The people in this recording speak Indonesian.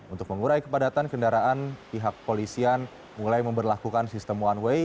untuk mengurai kepadatan kendaraan pihak polisian mulai memperlakukan sistem one way